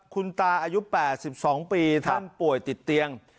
คุณตาอายุ๘๒ปีท่านป่วยติดเตียง